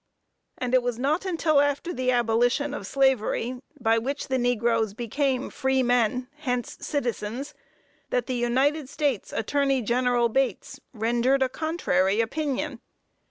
And it was not until after the abolition of slavery, by which the negroes became free men, hence citizens, that the United States Attorney, General Bates, rendered a contrary opinion.